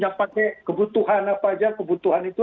yang pakai kebutuhan apa aja kebutuhan itu